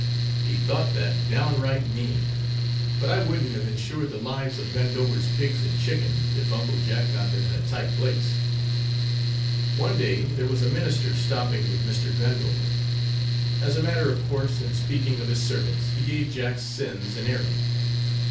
He thought that downright mean, but I wouldn't have insured the lives of Gundover's pigs and chickens, if Uncle Jack got them in a tight place. One day there was a minister stopping with Mr. Gundover. As a matter of course, in speaking of his servants, he gave Jack's sins an airing.